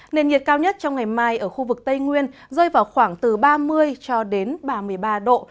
nền nhiệt cao nhất trong ngày mai ở khu vực tây nguyên rơi vào khoảng từ ba mươi cho đến ba mươi ba độ